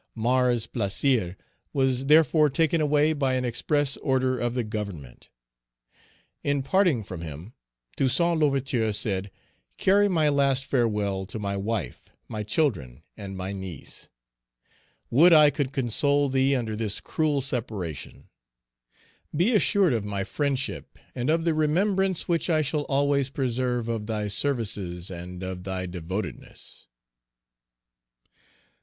Mars Plaisir was therefore taken away by an express order of the Government. In parting from him, Toussaint L'Ouverture said, "Carry my last farewell to my wife, my children, and my niece. Would I could console thee under this cruel separation: be assured of my friendship and of the remembrance which I shall always preserve of thy services and of thy devotedness."